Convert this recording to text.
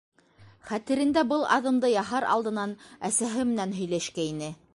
Хәтерендә был аҙымды яһар алдынан әсәһе менән һөйләшкәйне.